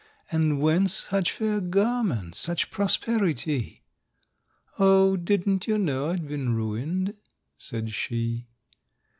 And whence such fair garments, such prosperi ty?"— "O didn't you know I'd been ruined?" said she.